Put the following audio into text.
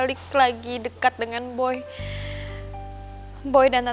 di posisi peragama dianda